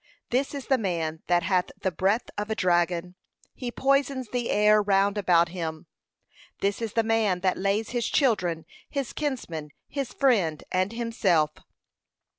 This is the man that hath the breath of a dragon, he poisons the air round about him. This is the man that lays his children, his kinsmen, his friend, and himself.